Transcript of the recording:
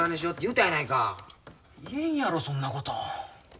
言えんやろそんなこと。